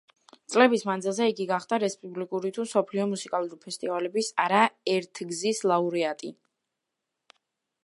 წლების მანძილზე იგი გახდა რესპუბლიკური თუ მსოფლიო მუსიკალური ფესტივალების არა ერთგზის ლაურეატი.